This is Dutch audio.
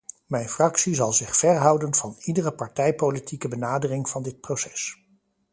Mijn fractie zal zich ver houden van iedere partijpolitieke benadering van dit proces.